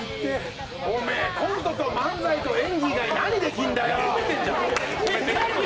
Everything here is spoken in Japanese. おめえ、コントと漫才と演技以外、何できんだよ！